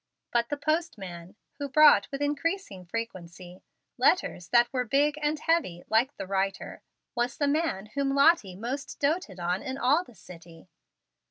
But the postman, who brought, with increasing frequency, letters that were big and heavy, like the writer, was the man whom Lottie most doted on in all the city.